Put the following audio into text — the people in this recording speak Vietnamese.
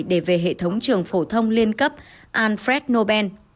để về hệ thống trường phổ thông liên cấp alfred nobel